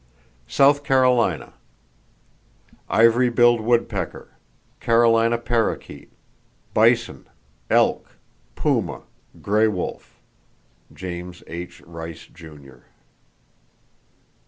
South Carolina: Ivory billed woodpecker, Carolina parrakeet; bison, elk, puma, gray wolf.—(James H. Rice, Jr.)